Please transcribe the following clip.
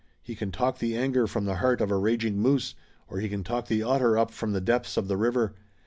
He can talk the anger from the heart of a raging moose, or he can talk the otter up from the depths of the river.